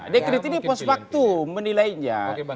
dekret ini pos waktu menilainya